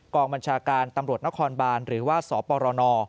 บัญชาการตำรวจนครบานหรือว่าสปรน